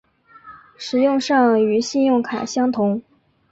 使用上与信用卡相同。